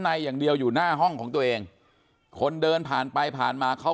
ในอย่างเดียวอยู่หน้าห้องของตัวเองคนเดินผ่านไปผ่านมาเขา